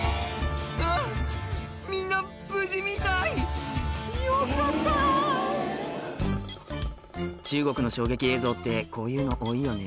あぁみんな無事みたいよかった中国の衝撃映像ってこういうの多いよね